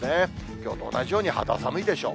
きょうと同じように肌寒いでしょう。